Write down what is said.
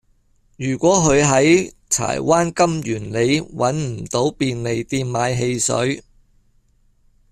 如果佢喺柴灣金源里搵唔到便利店買汽水